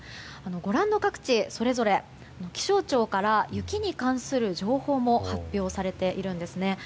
ご覧の各地、それぞれ気象庁から雪に関する情報も発表されているんですね。